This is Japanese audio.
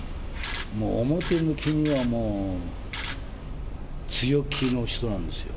もう表向きにはもう、強気の人なんですよ。